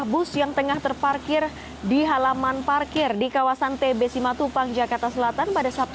bus yang sedang terparkir di kawasan tb simatupang jakarta selatan